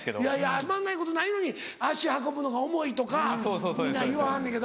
つまんないことないのに足運ぶのが重いとか皆言わはんねんけど。